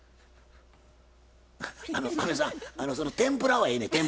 その天ぷらはええねん。